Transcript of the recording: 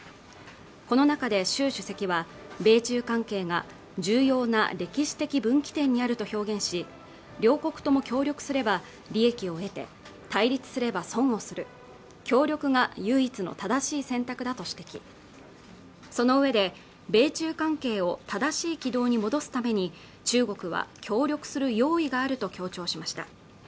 この中で習主席は米中関係が重要な歴史的分岐点にあると表現し両国とも協力すれば利益を得て対立すれば損をする協力が唯一の正しい選択だと指摘そのうえで米中関係を正しい軌道に戻すために中国は協力する用意があると強調しました